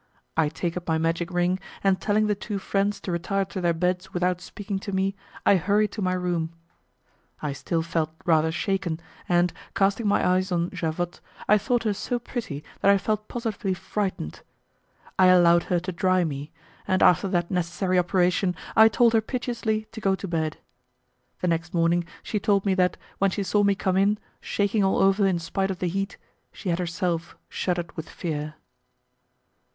I take up my magic ring, and telling the two friends to retire to their beds without speaking to me, I hurry to my room. I still felt rather shaken, and, casting my eyes on Javotte, I thought her so pretty that I felt positively frightened. I allowed her to dry me, and after that necessary operation I told her piteously to go to bed. The next morning she told me that, when she saw me come in, shaking all over in spite of the heat, she had herself shuddered with fear.